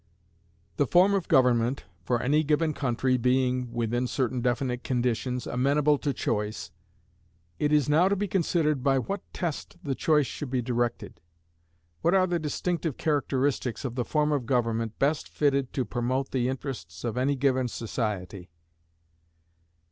The form of government for any given country being (within certain definite conditions) amenable to choice, it is now to be considered by what test the choice should be directed; what are the distinctive characteristics of the form of government best fitted to promote the interests of any given society.